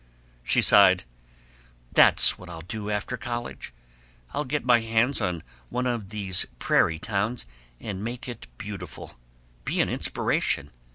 She sighed, "That's what I'll do after college! I'll get my hands on one of these prairie towns and make it beautiful. Be an inspiration.